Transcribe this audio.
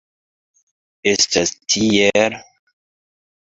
Estas tiel?